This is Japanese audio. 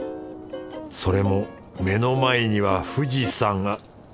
それも目の前には富士山が。